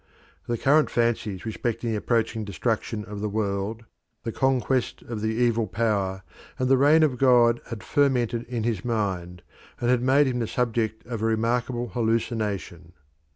The current fancies respecting the approaching destruction of the world, the conquest of the Evil Power, and the reign of God had fermented in his mind, and had made him the subject of a remarkable hallucination.